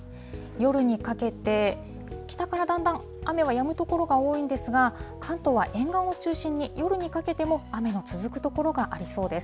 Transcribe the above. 夜にかけて、北からだんだん雨はやむ所は多いんですが、関東は沿岸を中心に夜にかけても雨の続く所がありそうです。